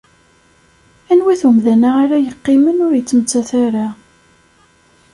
Anwa-t umdan-a ara yeqqimen ur ittmettat ara?